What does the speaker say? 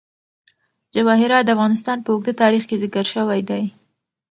جواهرات د افغانستان په اوږده تاریخ کې ذکر شوی دی.